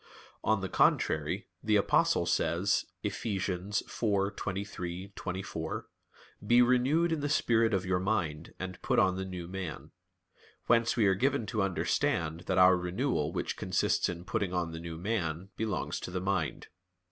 On the contrary, The Apostle says (Eph. 4:23,24): "Be renewed in the spirit of your mind, and put on the new man." Whence we are given to understand that our renewal which consists in putting on the new man, belongs to the mind.